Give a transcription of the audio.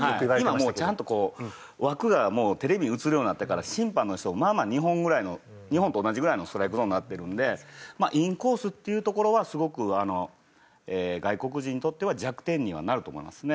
今もうちゃんと枠がテレビに映るようになったから審判の人もまあまあ日本ぐらいの日本と同じぐらいのストライクゾーンになってるのでインコースっていうところはすごく外国人にとっては弱点にはなると思いますね。